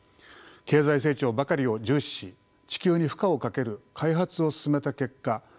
経済成長ばかりを重視し地球に負荷をかける開発を進めた結果